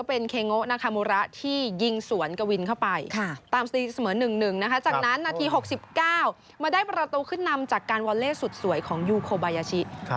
เป็นทีมเยินแก้สุดสวยของยูโคบายาชี